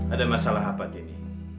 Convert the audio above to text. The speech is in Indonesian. ada masalah apa tini